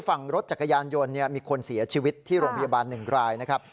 ฝั่งรถจักรยานยนต์มีคนเสียชีวิตที่โรงพยาบาล๑รายนะครับ